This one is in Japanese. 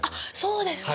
そうですか。